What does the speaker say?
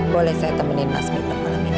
boleh saya temenin mas mitra malam ini